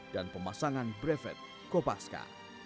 dan pemasangan brevet kopaska